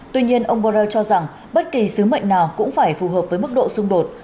tuy nhiên ông borrell cho rằng bất kỳ sứ mệnh nào cũng phải phù hợp với mức độ xung đột